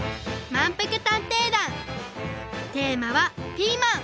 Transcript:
「まんぷく探偵団」テーマはピーマン！